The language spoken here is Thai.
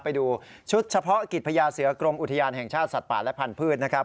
ไปดูชุดเฉพาะกิจพญาเสือกรมอุทยานแห่งชาติสัตว์ป่าและพันธุ์นะครับ